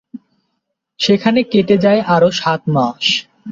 সেখানে কেটে যায় আরো সাত মাস।